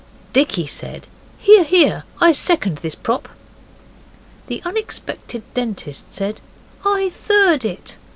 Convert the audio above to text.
Dicky said, 'Hear! hear! I second this prop.' The unexpected Dentist said, 'I third it.